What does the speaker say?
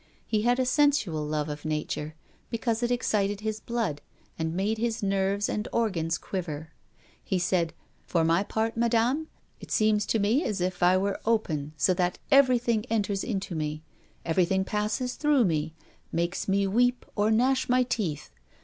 He had a sensual love of nature because it excited his blood, and made his nerves and organs quiver. He said: "For my part, Madame, it seems to me as if I were open, so that everything enters into me, everything passes through me, makes me weep or gnash my teeth.